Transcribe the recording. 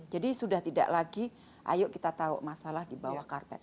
jadi sudah tidak lagi ayo kita tahu masalah di bawah karpet